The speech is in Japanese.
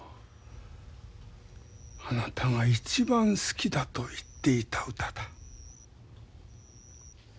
あなたが一番好きだと言っていた歌だ。